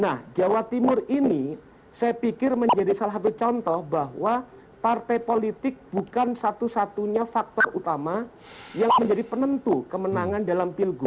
nah jawa timur ini saya pikir menjadi salah satu contoh bahwa partai politik bukan satu satunya faktor utama yang menjadi penentu kemenangan dalam pilgub